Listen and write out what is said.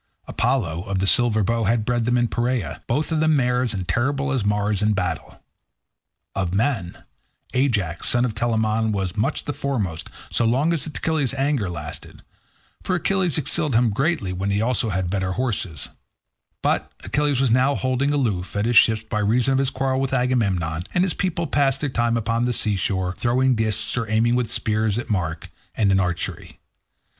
Apollo, of the silver bow, had bred them in Perea—both of them mares, and terrible as Mars in battle. Of the men, Ajax, son of Telamon, was much the foremost so long as Achilles' anger lasted, for Achilles excelled him greatly and he had also better horses; but Achilles was now holding aloof at his ships by reason of his quarrel with Agamemnon, and his people passed their time upon the sea shore, throwing discs or aiming with spears at a mark, and in archery.